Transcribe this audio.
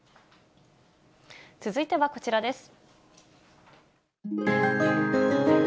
続いてはこちらです。